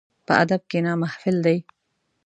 په ادب کښېنه، محفل دی.